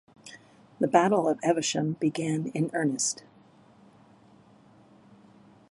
The Battle of Evesham began in earnest.